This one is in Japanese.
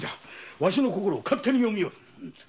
わしの心を勝手に読みおる。